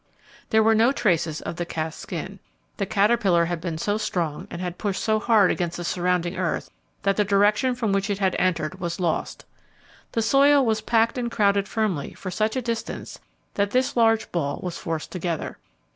There were no traces of the cast skin. The caterpillar had been so strong and had pushed so hard against the surrounding earth that the direction from which it had entered was lost. The soil was packed and crowded firmly for such a distance that this large ball was forced together.